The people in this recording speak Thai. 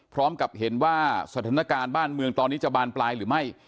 พร้อมกับเห็นว่าสถานการณ์บ้านเมืองตอนนี้จะบานปลายหรือไม่